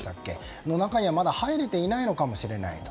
これの中にはまだ入れていないのかもしれないと。